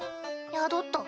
宿った。